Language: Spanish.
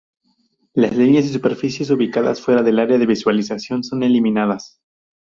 Las líneas y superficies ubicadas fuera del área de visualización son eliminadas.